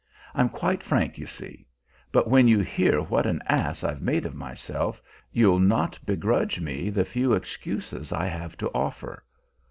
I'm quite frank, you see; but when you hear what an ass I've made of myself, you'll not begrudge me the few excuses I have to offer.